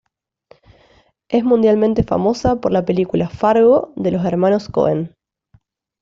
Es mundialmente famosa por la película "Fargo" de los Hermanos Coen.